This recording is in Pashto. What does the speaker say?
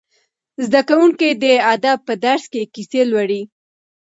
زده کوونکي د ادب په درس کې کیسې لوړي.